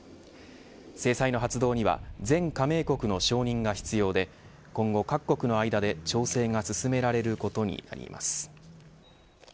制裁の発動には全加盟国の承認が必要で今後、各国の間で調整が進められることになります。